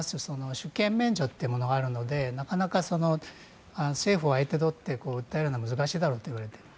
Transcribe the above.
主権免除というものがあるのでなかなか政府を相手取って訴えるのは難しいと言われています。